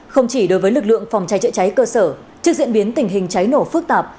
không chỉ đối với lực lượng phòng cháy chữa cháy cơ sở trước diễn biến tình hình cháy nổ phức tạp